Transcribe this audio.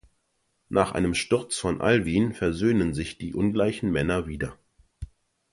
Nach einem Sturz von Alvin versöhnen sich die ungleichen Männer wieder.